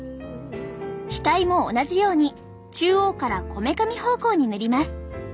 額も同じように中央からこめかみ方向に塗ります。